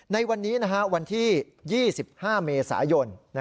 ในวันนี้วันที่๒๕เมษายน